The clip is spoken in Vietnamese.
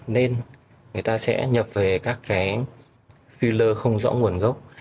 nên người ta sẽ nhập về các cái filler không rõ nguồn gốc